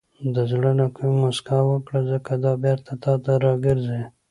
• د زړه له کومې موسکا وکړه، ځکه دا بېرته تا ته راګرځي.